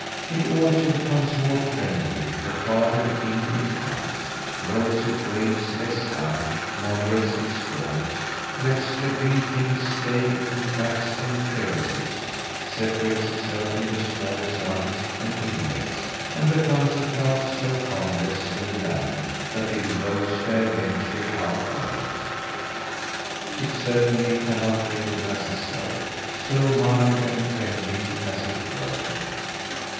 It also becomes more friendly the farther in it comes; rolls its waves less high; moderates its storms; lets the green things stay in cracks and crevices; separates itself into small sounds and inlets, and becomes at last so harmless in the land, that little boats dare venture out on it. It certainly cannot recognise itself so mild and friendly has it grown.